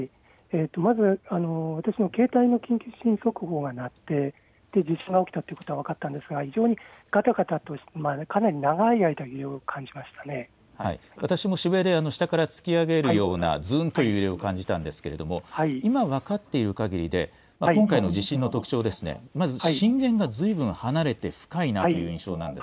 まず私の携帯の緊急地震速報が鳴って、地震が起きたということが分かったんですが、異常にがたがたとかなり長い間、揺れを感私も渋谷で、下から突き上げるような、ずんという揺れを感じたんですけれども、今、分かっているかぎりで、今回の地震の特徴ですね、まず震源がずいぶん離れ